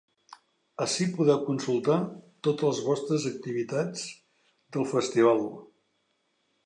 Ací podeu consultar totes les activitats del festival.